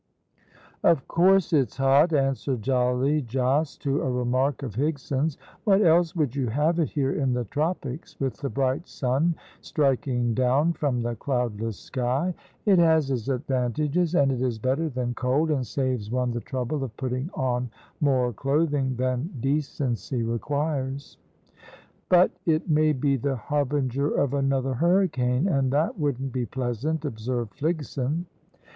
"Of course it's hot," answered jolly Jos to a remark of Higson's. "What else would you have it here in the tropics, with the bright sun striking down from the cloudless sky? It has its advantages, and it is better than cold, and saves one the trouble of putting on more clothing than decency requires." "But it may be the harbinger of another hurricane, and that wouldn't be pleasant," observed Fligson.